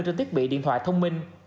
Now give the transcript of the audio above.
trên tiết bị điện thoại thông minh